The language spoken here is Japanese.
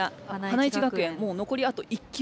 花一学園もうのこりあと１球。